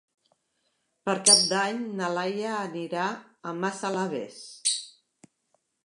Per Cap d'Any na Laia anirà a Massalavés.